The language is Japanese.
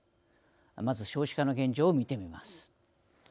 まず少子化の現状を見てみます。